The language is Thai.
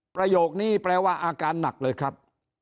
ประโยคนี้แปลว่าอาการหนักเลยครับ